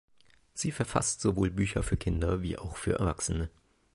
Sie verfasst sowohl Bücher für Kinder wie auch für Erwachsene.